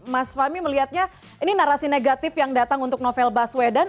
mas fahmi melihatnya ini narasi negatif yang datang untuk novel baswedan